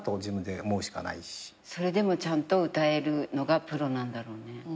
それでもちゃんと歌えるのがプロなんだろうね。